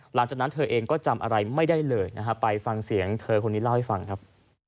หลังจากนั้นเธอเองก็จำอะไรไม่ได้เลยนะฮะไปฟังเสียงเธอคนนี้เล่าให้ฟังครับ